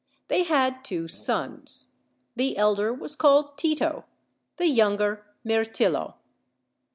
They had two sons. The elder was called Tito, the younger Mirtillo.